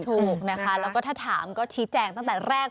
ถูกนะคะแล้วก็ถ้าถามก็ชี้แจงตั้งแต่แรก